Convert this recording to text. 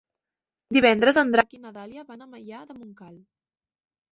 Divendres en Drac i na Dàlia van a Maià de Montcal.